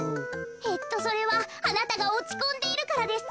えっとそれはあなたがおちこんでいるからです。